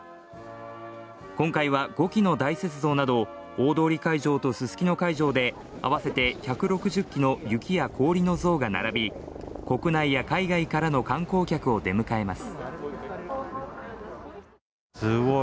今回は５基の大雪像など大通会場とすすきの会場合わせて１６０基の雪の氷の像が並び国内や海外からの観光客を出迎えます。